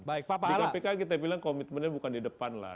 di kpk kita bilang komitmennya bukan di depan lah